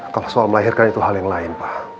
kalau soal melahirkan itu hal yang lain pak